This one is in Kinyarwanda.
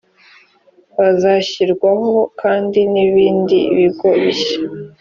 hazashyirwaho kandi n ibindi bigo bishya